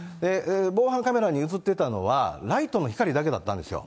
防犯カメラに写ってたのは、ライトの光だけだったんですよ。